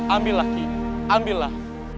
ambillah ki ambillah